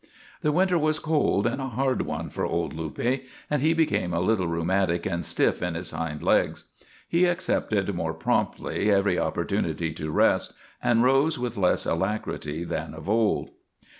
The winter was cold and a hard one for old Luppe, and he became a little rheumatic and stiff in his hind legs. He accepted more promptly every opportunity to rest, and rose with less alacrity than of old.